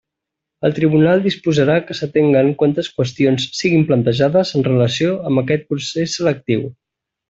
El tribunal disposarà que s'atenguen quantes qüestions siguen plantejades en relació amb aquest procés selectiu.